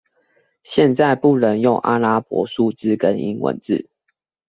現在不能用阿拉伯數字跟英文字